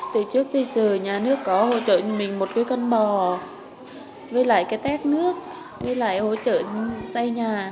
từ trước tới giờ nhà nước có hỗ trợ mình một cây cân bò với lại cái tét nước với lại hỗ trợ xây nhà